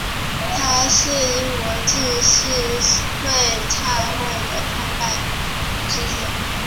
他是英国浸信会差会的创办人之一。